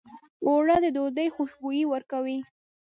اوړه د ډوډۍ خوشبويي ورکوي